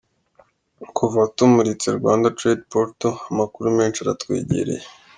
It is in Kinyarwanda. Kuva tumuritse ‘Rwanda Trade Portal’, amakuru menshi aratwegereye.